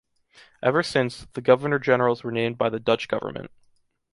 Ever since, the Governor Generals were named by the Dutch government.